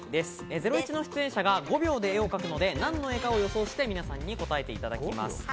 『ゼロイチ』の出演者が５秒で絵を描くので、何の絵か予想して答えていただきます。